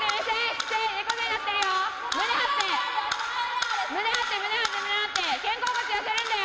姿勢、猫背になってるよ。